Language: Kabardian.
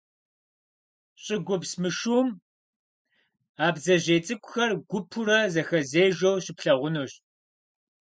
ЩӀыгупс мышыум а бдзэжьей цӀыкӀухэр гупурэ зэхэзежэу щыплъагъунущ.